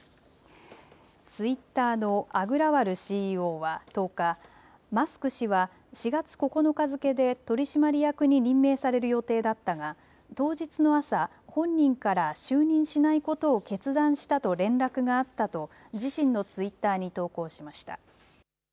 ツイッターのアグラワルＣＥＯは１０日、マスク氏は４月９日付けで取締役に任命される予定だったが当日の朝、本人から就任しないことを決断したと連絡があったと自身のツイッターに投稿しました。